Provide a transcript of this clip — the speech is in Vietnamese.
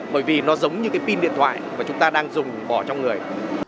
bởi vì nó giống như cái pin điện thoại mà chúng ta đang dùng bỏ trong người